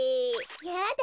やだ